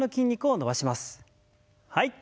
はい。